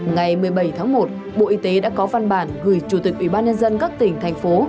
ngày một mươi bảy tháng một bộ y tế đã có văn bản gửi chủ tịch ubnd các tỉnh thành phố